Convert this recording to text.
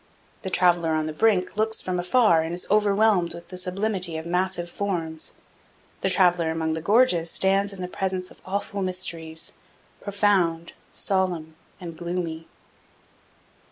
The traveler on the brink looks from afar and is overwhelmed with the sublimity of massive forms; the traveler among the gorges stands in the presence of awful mysteries, profound, solemn, and gloomy.